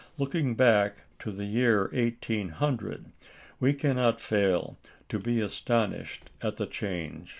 Looking back to the year 1800, we cannot fail to be astonished at the change.